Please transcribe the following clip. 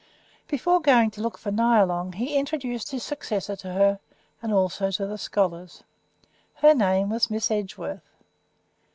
Before going to look for Nyalong he introduced his successor to her, and also to the scholars. Her name was Miss Edgeworth.